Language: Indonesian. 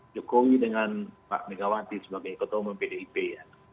jokowi dengan pak megawati sebagai ketua umum pdip ya